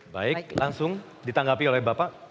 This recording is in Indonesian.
baik langsung ditanggapi oleh bapak